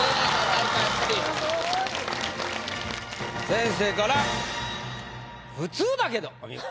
先生から「普通だけどお見事」。